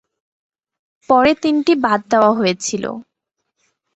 পরে তিনটি বাদ দেওয়া হয়েছিল।